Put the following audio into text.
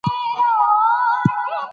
سیلابونه د افغان ښځو په ژوند کې رول لري.